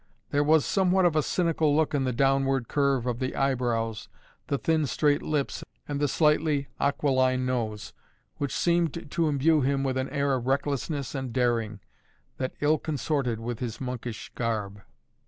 There was somewhat of a cynical look in the downward curve of the eyebrows, the thin straight lips and the slightly aquiline nose, which seemed to imbue him with an air of recklessness and daring, that ill consorted with his monkish garb.